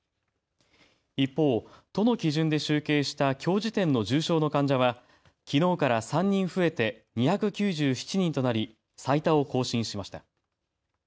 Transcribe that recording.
一方、都の基準で集計したきょう時点の重症の患者はきのうから３人増えて２９７人となり最多を更新しました。